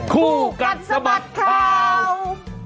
คู่กันสมัครข่าว